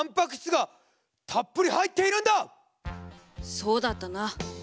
そうだったな。